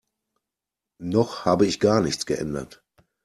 Noch habe ich aber gar nichts geändert.